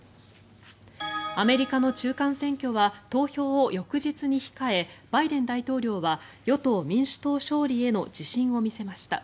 アメリカの中間選挙は投票を翌日に控えバイデン大統領は与党・民主党勝利への自信を見せました。